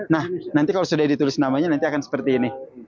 nah nanti kalau sudah ditulis namanya nanti akan seperti ini